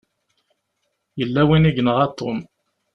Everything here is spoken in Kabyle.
Yella win i yenɣa Tom.